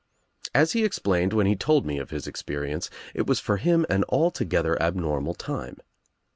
As he explained when he told me of his experience, it was for him an altogether abnormal time.